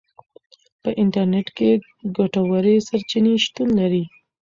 په انټرنیټ کې ګټورې سرچینې شتون لري.